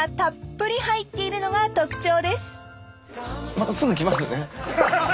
またすぐ来ますね。